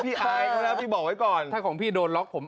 อายเขาแล้วพี่บอกไว้ก่อนถ้าของพี่โดนล็อกผม